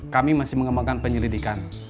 kami masih mengembangkan penyelidikan